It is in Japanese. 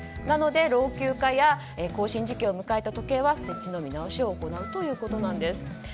なので老朽化や更新時期を迎えた時計は設置の見直しを行うということです。